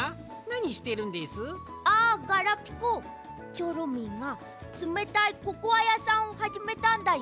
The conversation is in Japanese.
チョロミーがつめたいココアやさんをはじめたんだよ。